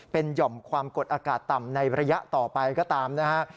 เป็นหย่อมความกดอากาศต่ำในระยะต่อไปก็ตามนะฮะ